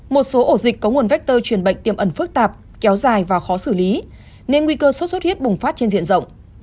một số ổ dịch có nguồn vector truyền bệnh tiềm ẩn phức tạp kéo dài và khó xử lý nên nguy cơ sốt xuất huyết bùng phát trên diện rộng